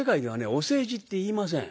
お世辞って言いません。